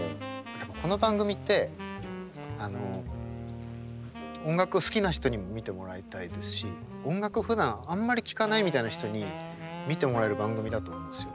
この番組ってあの音楽を好きな人にも見てもらいたいですし音楽をふだんあんまり聴かないみたいな人に見てもらえる番組だと思うんですよ。